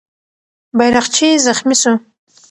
بیرغچی زخمي سو.